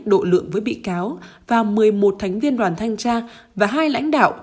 hưởng với bị cáo và một mươi một thánh viên đoàn thanh tra và hai lãnh đạo